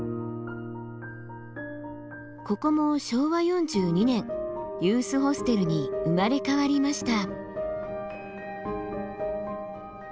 ここも昭和４２年ユースホステルに生まれ変わりました。